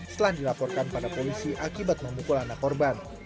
setelah dilaporkan pada polisi akibat memukul anak korban